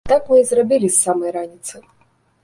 Так мы і зрабілі з самай раніцы.